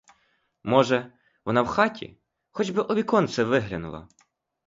Може, вона в хаті, хоч би у віконце виглянула.